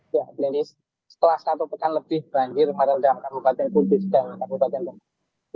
ya lady setelah satu pekan lebih banjir merendam kabupaten kudus dan kabupaten lombok